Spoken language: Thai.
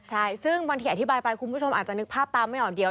ใช่ซึ่งบางทีอธิบายไปคุณผู้ชมอาจจะนึกภาพตามไม่ออกเดียว